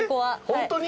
ホントに？